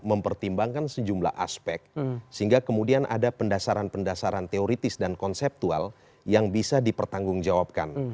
mempertimbangkan sejumlah aspek sehingga kemudian ada pendasaran pendasaran teoritis dan konseptual yang bisa dipertanggungjawabkan